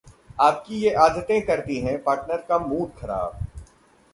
आपकी ये आदतें करती हैं पार्टनर का मूड खराब